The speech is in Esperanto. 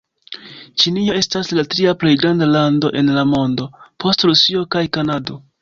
Ĉinio estas la tria plej granda lando en la mondo, post Rusio kaj Kanado.